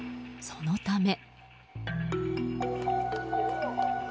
そのため。